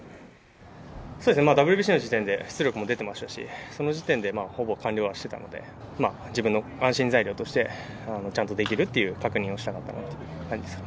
ＷＢＣの時点で出力も出てましたし、その時点でほぼ完了はしてたので、自分の安心材料として、ちゃんとできるっていう確認をしたのかなという感じです。